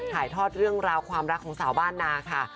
ถ่ายทอดเรื่องราวความรักของสาวบ้านนาค่ะ